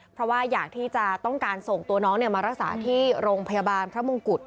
เพราะว่าอยากที่จะต้องการส่งตัวน้องมารักษาที่โรงพยาบาลพระมงกุฎ